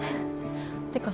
ってか